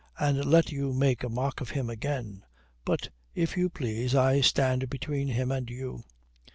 And let you make a mock of him again. But if you please, I stand between him and you."